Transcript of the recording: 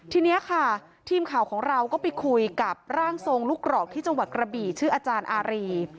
ทีนี้ค่ะทีมข่าวของเราก็ไปคุยกับร่างทรงลูกกรอกที่จังหวัดกระบี่ชื่ออาจารย์อารี